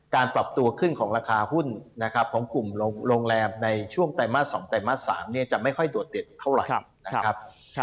ปรับตัวขึ้นของราคาหุ้นนะครับของกลุ่มโรงแรมในช่วงไตรมาส๒ไตรมาส๓จะไม่ค่อยโดดเด่นเท่าไหร่นะครับ